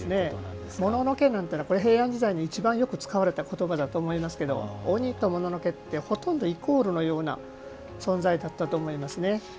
もののけなんていうのは平安時代に一番よく使われた言葉だと思いますけど鬼と、もののけってほとんどイコールのような存在だったと思いますね。